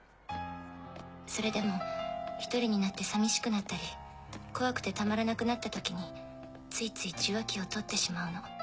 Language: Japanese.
それでも１人になって寂しくなったり怖くてたまらなくなった時についつい受話器をとってしまうの。